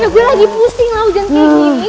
tapi lagi pusing lah hujan kayak gini